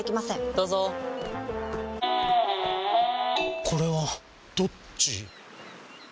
どうぞこれはどっち？